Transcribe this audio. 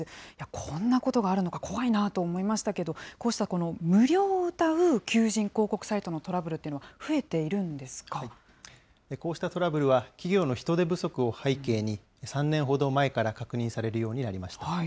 こんなことがあるのか、怖いなと思いましたけど、こうした無料をうたう求人広告サイトのトラブルというの、増えてこうしたトラブルは、企業の人手不足を背景に、３年ほど前から確認されるようになりました。